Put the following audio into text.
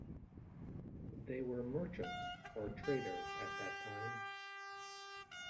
They were merchants or traders at that time.